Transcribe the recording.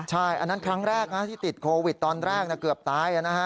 ใช่อันนั้นครั้งแรกนะที่ติดโควิดตอนแรกเกือบตายนะฮะ